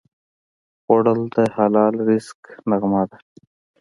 خوړل د حلال رزق نغمه ده